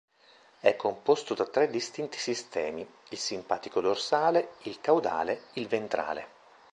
È composto da tre distinti sistemi: il "simpatico dorsale", il "caudale", il "ventrale".